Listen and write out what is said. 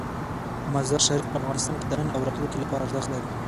مزارشریف په افغانستان کې د نن او راتلونکي لپاره ارزښت لري.